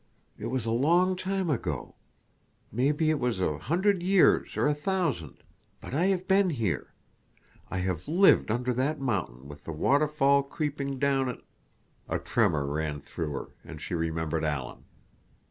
It was a long time ago. Maybe it was a hundred years or a thousand. But I have been here. I have lived under that mountain with the waterfall creeping down it—" A tremor ran through her, and she remembered Alan.